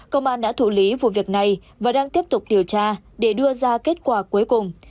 công an đã thủ lý vụ việc này và đang tiếp tục điều tra để đưa ra kết quả cuối cùng